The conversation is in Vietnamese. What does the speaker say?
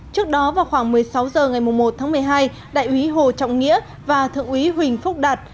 trước đó vào khoảng một mươi sáu h ngày một tháng một mươi hai đại úy hồ trọng nghĩa và thượng úy huỳnh phúc đạt